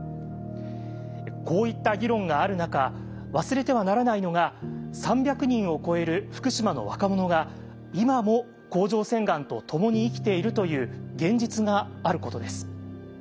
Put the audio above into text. こういった議論がある中忘れてはならないのが３００人を超える福島の若者が今も甲状腺がんと共に生きているという現実があることです。